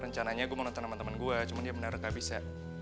rencananya gue mau nonton sama temen gue cuman dia bener gak bisa